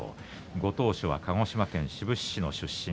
ご当所は鹿児島県志布志市の出身。